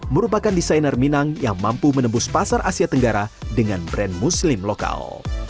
merupakan desainer minang yang mampu menembus pasar asia tenggara dengan brand muslim lokal